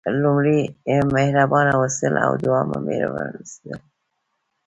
لومړی مهربانه اوسېدل دوهم مهربانه اوسېدل.